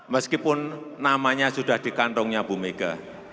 meskipun namanya sudah di kantongnya bumega